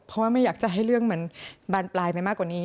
เพราะว่าไม่อยากจะให้เรื่องมันบานปลายไปมากกว่านี้